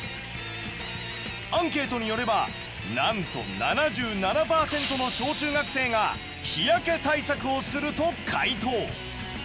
アンケートによればなんと７７％の小中学生が日焼け対策をすると回答。